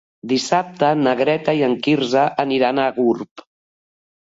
Dissabte na Greta i en Quirze aniran a Gurb.